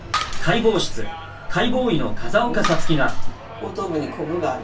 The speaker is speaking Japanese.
後頭部にこぶがある。